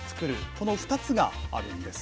この２つがあるんです。